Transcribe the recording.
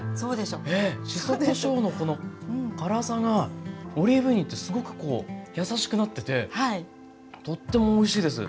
しそこしょうのこの辛さがオリーブ油によってすごくこう優しくなっててとってもおいしいです。